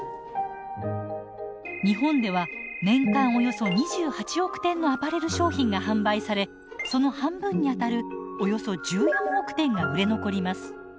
日本では年間およそ２８億点のアパレル商品が販売されその半分にあたるおよそ１４億点が売れ残ります。